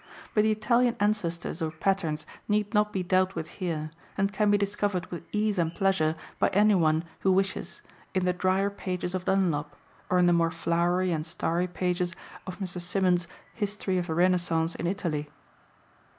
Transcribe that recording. But the Italian ancestors or patterns need not be dealt with here, and can be discovered with ease and pleasure by any one who wishes in the drier pages of Dunlop, or in the more flowery and starry pages of Mr. Symonds' "History of the Renaissance in Italy."